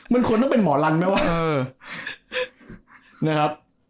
มึงควรต้องเป็นหมอลันไม่วะ